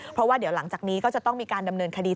เพราะว่าเดี๋ยวหลังจากนี้ก็จะต้องมีการดำเนินคดี